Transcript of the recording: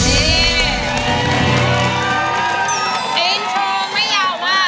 อินโทรไม่ยาวมาก